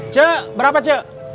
cuk berapa cuk